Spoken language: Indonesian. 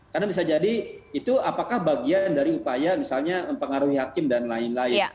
karena bisa jadi itu apakah bagian dari upaya misalnya mempengaruhi hakim dan lain lain